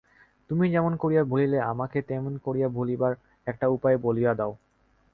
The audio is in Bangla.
তুমি যেমন করিয়া ভুলিলে, আমাকে তেমনি করিয়া ভুলিবার একটা উপায় বলিয়া দাও।